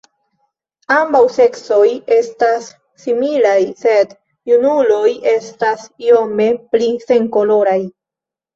Ambaŭ seksoj estas similaj, sed junuloj estas iome pli senkoloraj.